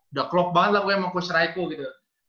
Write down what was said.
udah clock banget lah kayaknya sama coach rajko gitu